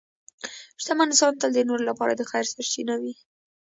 شتمن انسان تل د نورو لپاره د خیر سرچینه وي.